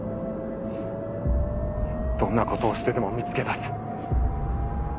どんなことをしてでも見つけ出す。